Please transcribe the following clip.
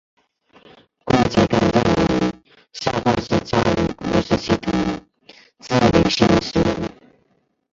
顾颉刚认为的少昊氏加入古史系统自刘歆始。